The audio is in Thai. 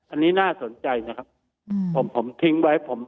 อันนี้น่าสนใจนะครับผมทิ้งไว้ผม